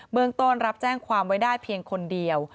เมืองต้นรับแจ้งความไว้ได้เพียงคนเดียว